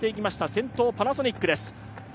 先頭はパナソニックです。